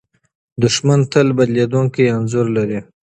دښمن تل بدلېدونکی انځور لري.